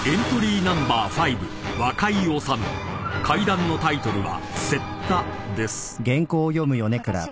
［怪談のタイトルは］